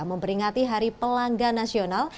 memperingati hari pelanggan nasional